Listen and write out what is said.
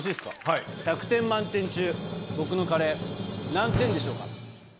１００点満点中僕のカレー何点でしょうか？